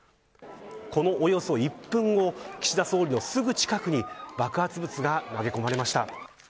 このおよそ１分後岸田総理のすぐ近くに爆発物が投げ込まれました。